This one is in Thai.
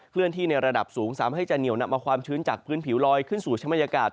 เลื่อนที่ในระดับสูงสามารถให้จะเหนียวนำเอาความชื้นจากพื้นผิวลอยขึ้นสู่ชมยากาศ